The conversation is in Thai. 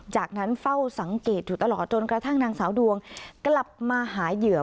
จากนั้นเฝ้าสังเกตอยู่ตลอดจนกระทั่งนางสาวดวงกลับมาหาเหยื่อ